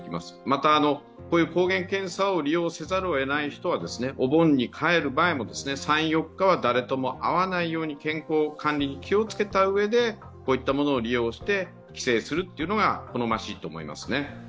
また、抗原検査を利用せざるをえない人はお盆に帰る前の、３４日は誰とも会わないように健康管理に気をつけたうえで、こういったものを利用して帰省するのが好ましいと思います。